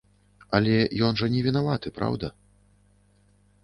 Але ён жа не вінаваты, праўда?